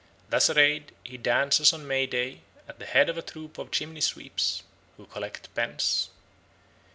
Thus arrayed he dances on May Day at the head of a troop of chimney sweeps, who collect pence.